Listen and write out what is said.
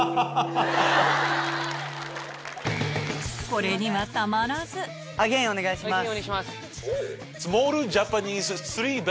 これにはたまらずアゲインお願いします。